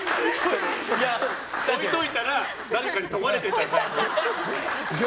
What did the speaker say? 置いておいたら誰かにとがれてた？